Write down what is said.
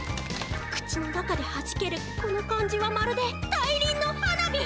口の中ではじけるこの感じはまるでたいりんの花火！